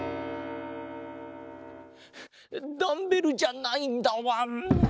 ダンベルじゃないんだわん。